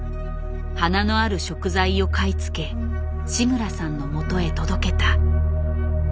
華のある食材を買い付け志村さんのもとへ届けた。